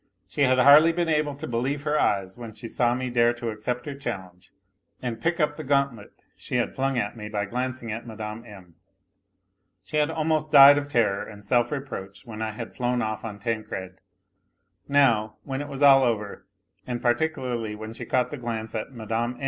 She had hardly been able to believe her ey< s when she saw me dare to accept her challenge, and pick up the gauntlet she had flung at me by glancing at Mme. M. She had almost died of terror and self reproach when I had flown off on Tancred ; now, when it was all over, and particularly when she caught iho glance at Mme.